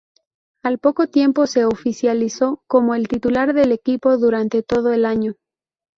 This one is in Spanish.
Al poco tiempo se oficializó como el titular del equipo durante todo el año.